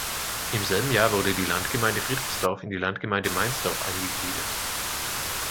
Im selben Jahr wurde die Landgemeinde Friedrichsdorf in die Landgemeinde Meinsdorf eingegliedert.